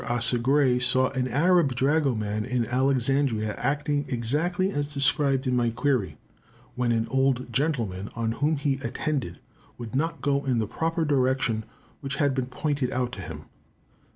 Asa Gray saw an Arab dragoman in Alexandria acting exactly as described in my query, when an old gentleman, on whom he attended, would not go in the proper direction which had been pointed out to him.